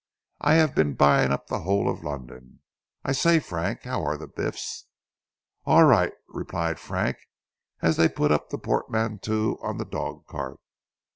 "I have been buying up the whole of London! I say Frank how are the Biffs?" "All right," replied Frank as they put up the portmanteaux on the dog cart.